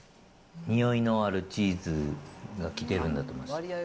匂いのあるチーズが来てるんだと思います。